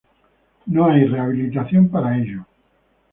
No hay rehabilitación para ello.